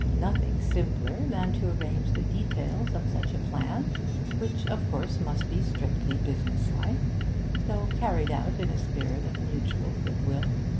Nothing simpler than to arrange the details of such a plan, which, of course, must be 'strictly businesslike,' though carried out in a spirit of mutual goodwill.